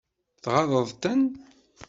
Tɣaḍeḍ-ten?